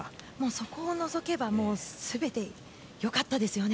そこを除けば全て良かったですよね。